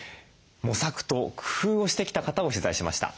模索と工夫をしてきた方を取材しました。